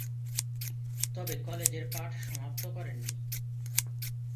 তবে কলেজের পাঠ সমাপ্ত করেননি।